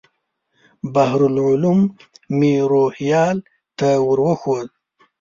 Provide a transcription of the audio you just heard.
بحر العلوم مې روهیال ته ور وښود.